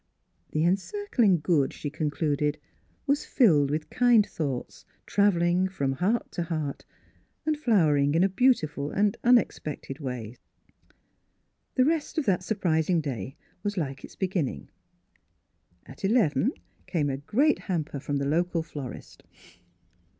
" The Encircling Good, she concluded, was filled with kind thoughts travelling from heart to heart and flowering in beautiful and unexpected ways. The rest of that surprising day was like its beginning. At eleven came a great hamper from a local florist.